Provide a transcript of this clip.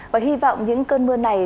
và hy vọng những cơn mưa này